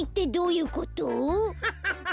ハハハッ。